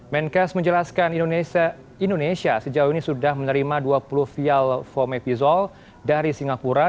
menkes menjelaskan indonesia sejauh ini sudah menerima dua puluh vial fomepizol dari singapura